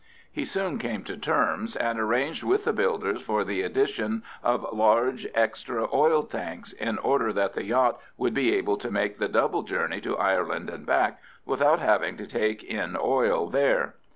He soon came to terms, and arranged with the builders for the addition of large extra oil tanks, in order that the yacht would be able to make the double journey to Ireland and back without having to take in oil there.